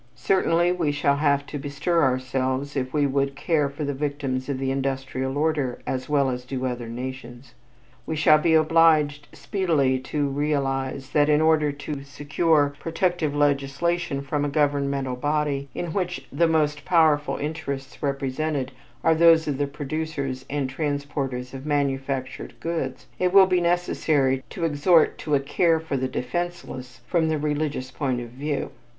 Certainly we shall have to bestir ourselves if we would care for the victims of the industrial order as well as do other nations. We shall be obliged speedily to realize that in order to secure protective legislation from a governmental body in which the most powerful interests represented are those of the producers and transporters of manufactured goods, it will be necessary to exhort to a care for the defenseless from the religious point of view.